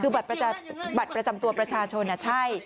คือบัตรประจำตัวประชาชนใช่